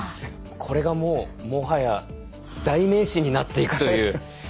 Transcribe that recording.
これがもう、もはや代名詞になっていくという。